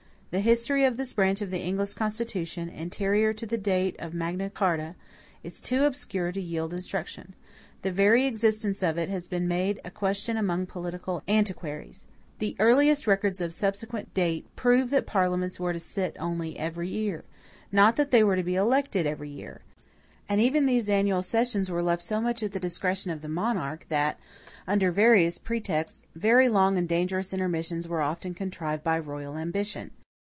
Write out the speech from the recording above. The history of this branch of the English Constitution, anterior to the date of Magna Charta, is too obscure to yield instruction. The very existence of it has been made a question among political antiquaries. The earliest records of subsequent date prove that parliaments were to SIT only every year; not that they were to be ELECTED every year. And even these annual sessions were left so much at the discretion of the monarch, that, under various pretexts, very long and dangerous intermissions were often contrived by royal ambition.